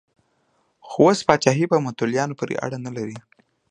خو اوس پاچاهي په متولیانو پورې اړه نه لري.